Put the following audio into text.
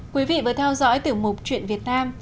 quý vị vừa theo dõi tiểu mục chuyện việt nam